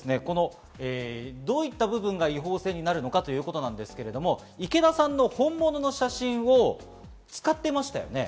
どういった部分が違法性になるのかということですが、池田さんの本物の写真を使っていましたよね。